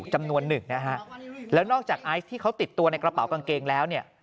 หลังจากไอซ์ที่เขาติดตัวในกระเป๋ากางเกงแล้วเนี่ย